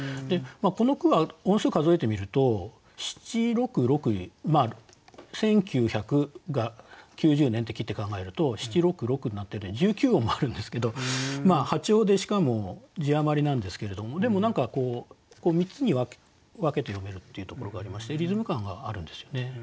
この句は音数数えてみると七六六「せんきゅうひゃく」が「きゅうじゅうねん」って切って考えると七六六になってて１９音もあるんですけど破調でしかも字余りなんですけれどもでも何か３つに分けて読めるっていうところがありましてリズム感があるんですよね。